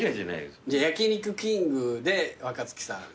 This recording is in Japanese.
焼肉きんぐで若槻さん。